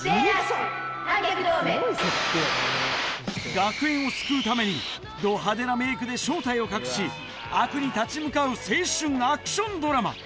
学園を救うためにド派手なメークで正体を隠し悪に立ち向かう青春アクションドラマ